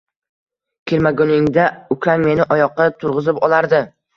Kelmaganingda ukang meni oyoqqa turg‘izib olardi”